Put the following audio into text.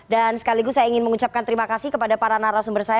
dan sekaligus saya ingin mengucapkan terima kasih kepada para narasumber saya